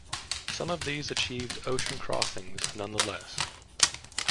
Some of these achieved ocean crossings, nonetheless.